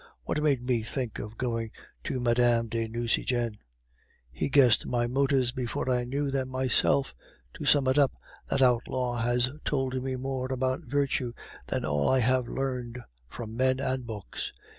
What made me think of going to Mme. de Nucingen? He guessed my motives before I knew them myself. To sum it up, that outlaw has told me more about virtue than all I have learned from men and books.